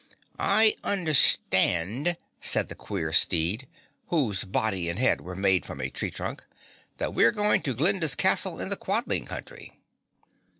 "I understand," said the queer steed, whose body and head were made from a tree trunk, "that we're going to Glinda's castle in the Quadling Country."